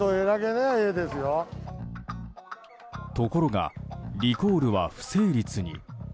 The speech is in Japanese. ところがリコールは不成立に。